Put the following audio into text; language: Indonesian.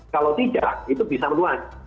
kalau tidak itu bisa luas